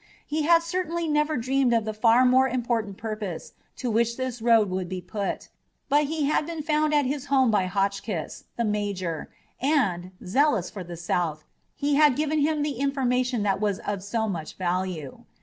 He had certainly never dreamed of the far more important purpose to which this road would be put, but he had been found at his home by Hotchkiss, the major, and, zealous for the South, he had given him the information that was of so much value.